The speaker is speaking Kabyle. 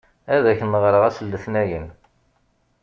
Ad ak-n-ɣṛeɣ ass Letnayen.